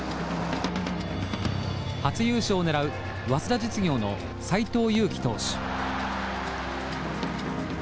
初優勝を狙う早稲田実業の斎藤佑樹投手。